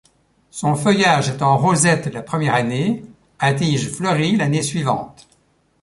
Son feuillage est en rosette la première année, à tige fleurie l'année suivante.